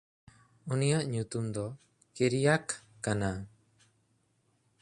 ᱩᱱᱤᱭᱟᱜ ᱧᱩᱛᱩᱢ ᱫᱚ ᱠᱤᱨᱭᱟᱠ ᱠᱟᱱᱟ᱾